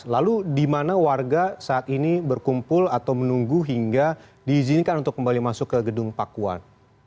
lalu di mana warga saat ini berkumpul atau menunggu hingga diizinkan untuk kembali masuk ke gedung pakuan